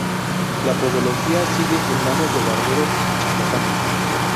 La podología sigue en manos de barberos y charlatanes.